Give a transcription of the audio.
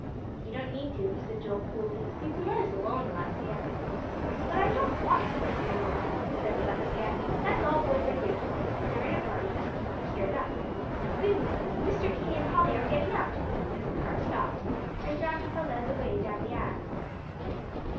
"You don't need to," said Joel coolly, "you can let us alone, Alexia." "But I don't want to let you alone," said Alexia; "that's all boys are good for, if they're in a party, to keep 'em stirred up. Goodness me, Mr. King and Polly are getting out!" as the car stopped, and Grandpapa led the way down the aisle.